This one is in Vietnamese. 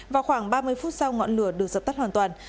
vào khoảng ba mươi phút sau ngọn lửa được dập tắt hoàn toàn